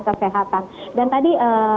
kesehatan dan tadi